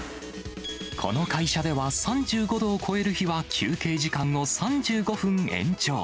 この会社では３５度を超える日は、休憩時間を３５分延長。